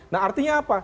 nah artinya apa